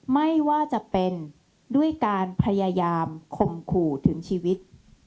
ไม่ว่าจะเป็นด้วยการพยายามข่มขู่ถึงชีวิต